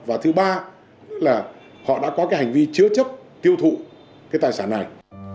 và thứ ba là họ đã có cái hành vi chứa chấp tiêu thụ cái tài sản này